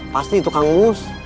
pasti itu kang mus